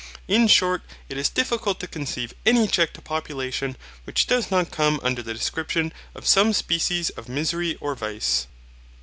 In short it is difficult to conceive any check to population which does not come under the description of some species of misery or vice.